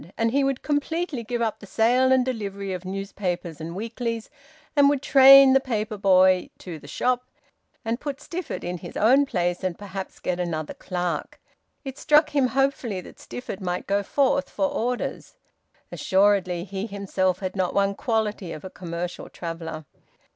And he would completely give up the sale and delivery of newspapers and weeklies, and would train the paper boy to the shop, and put Stifford in his own place and perhaps get another clerk. It struck him hopefully that Stifford might go forth for orders. Assuredly he himself had not one quality of a commercial traveller.